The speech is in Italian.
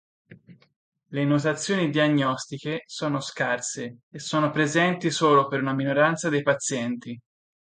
Le notazioni diagnostiche sono scarse e sono presenti solo per una minoranza dei pazienti.